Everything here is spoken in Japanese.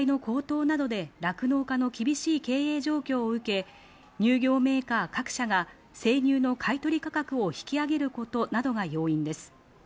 えさ代の高騰などで酪農家の厳しい経営状況を受け、乳業メーカー各社が生乳の買い取り価格を引き上げることなどが要因です。